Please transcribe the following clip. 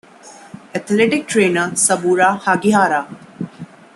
Athletic Trainer: Saburo Hagihara.